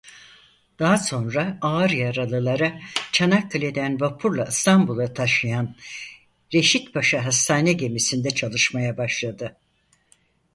Daha sonra ağır yaralıları Çanakkale'den vapurla İstanbul'a taşıyan Reşit Paşa Hastane Gemisi'nde çalışmaya başladı.